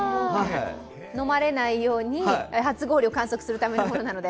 飲まれないように、初氷を観測するためのものなので。